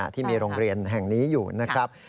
ที่มีโรงเรียนแห่งนี้อยู่นะครับ